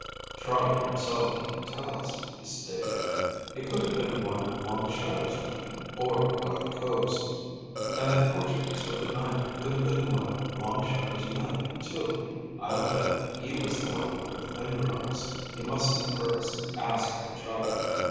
"Charlie himself didn't tell us," he stated. "It could have been one of Long Shadow's men. Or one of Ko's. And that Portuguese with the knife could have been one of Long Shadow's men, too. I'll bet he was the one who put the finger on us. He must have heard us ask for Chahda.